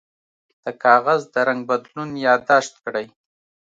د کاغذ د رنګ بدلون یاد داشت کړئ.